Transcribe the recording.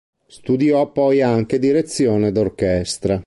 Studiò poi anche direzione d'orchestra.